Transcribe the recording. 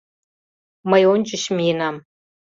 Мый ончыч миенам.